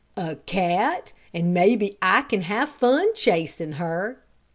"A cat! and maybe I can have fun chasing her."